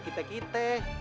kita takut kena tulangnya